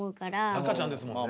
赤ちゃんですもんね。